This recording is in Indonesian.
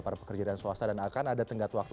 para pekerja dan swasta dan akan ada tenggat waktu